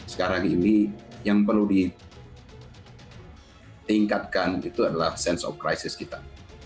sekarang ini yang perlu ditingkatkan itu adalah sense of crisis kita